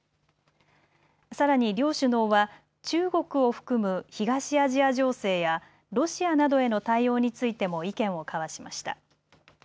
さらに両首脳は中国を含む東アジア情勢やロシアなどへの対応についても意見を交わしました。